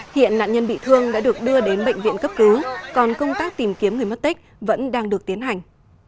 hiện nạn nhân bị thương đã được đưa đến bệnh viện cấp cứu còn công tác tìm kiếm người mất tích vẫn đang được tiến hành